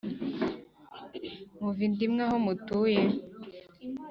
Muva inda imwe aho mutuye